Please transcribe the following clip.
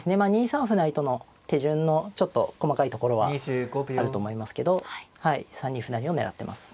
２三歩成との手順のちょっと細かいところはあると思いますけど３二歩成を狙ってます。